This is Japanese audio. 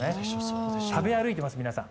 食べ歩いています、皆さん。